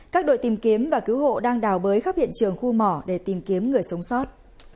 các đội tìm kiếm và cứu hộ đang đào bới khắp hiện trường khu mỏ để tìm kiếm người sống sót